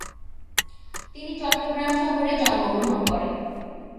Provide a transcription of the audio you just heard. তিনি চট্টগ্রাম শহরে জন্মগ্রহণ করেন।